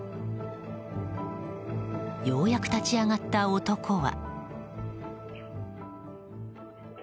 ようやく立ち上がった男は。